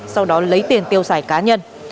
sau đó lấy tiền tiêu xài cá nhân